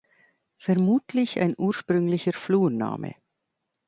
Vermutlich ein ursprünglicher Flurname.